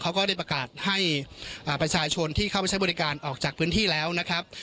ก็ได้ประกาศให้ประชาชนที่เข้าไปใช้บริการออกจากพื้นที่แล้วนะครับ